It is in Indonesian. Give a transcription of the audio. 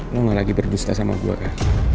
lo gak lagi berdusta sama gue kak